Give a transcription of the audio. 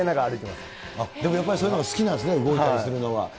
でもやっぱりそういうのが好きなんですね、動いたりするのが。